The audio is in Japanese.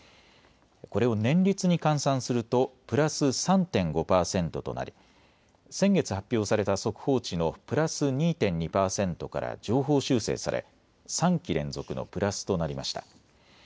これを年率に換算するとプラス３．５％となり先月発表された速報値のプラス２．２％から上方修正され３期連続のプラスとなりました。